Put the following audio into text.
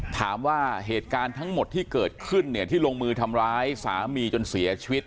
ถามว่าเหตุการณ์ทั้งหมดที่เกิดขึ้นเนี่ยที่ลงมือทำร้ายสามีจนเสียชีวิต